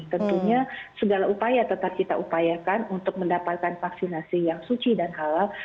tentunya segala upaya tetap kita upayakan untuk mendapatkan vaksinasi yang suci dan halal